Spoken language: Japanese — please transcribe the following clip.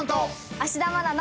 芦田愛菜の。